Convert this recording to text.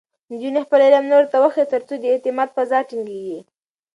نجونې خپل علم نورو ته وښيي، ترڅو د اعتماد فضا ټینګېږي.